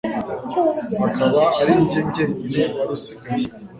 akaba ari jye jyenyine wari usigaye